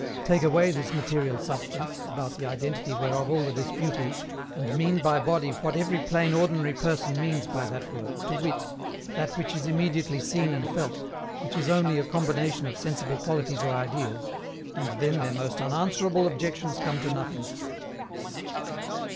Take away this material substance, about the identity whereof all the dispute is, and mean by body what every plain ordinary person means by that word, to wit, that which is immediately seen and felt, which is only a combination of sensible qualities or ideas, and then their most unanswerable objections come to nothing.